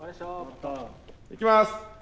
いきます